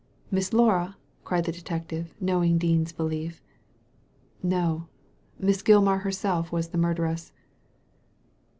Miss Laura I " cried the detective, knowing Dean's behef. " No. Miss Gilmar herself was the murderess."